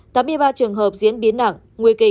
tám mươi ba trường hợp diễn biến nặng nguy cơ